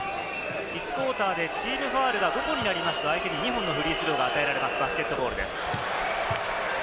１クオーターでチームファウルが５個になりますと相手に２本のフリースローが与えられます。